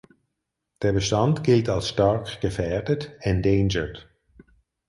Der Bestand gilt als stark gefährdet ("endangered").